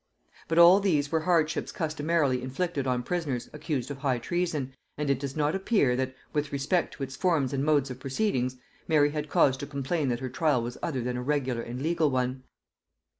But all these were hardships customarily inflicted on prisoners accused of high treason and it does not appear that, with respect to its forms and modes of proceedings, Mary had cause to complain that her trial was other than a regular and legal one.